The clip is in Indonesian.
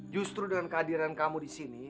justru dengan kehadiran kamu disini